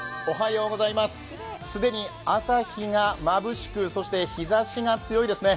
既に朝日がまぶしくそして日ざしが強いですね。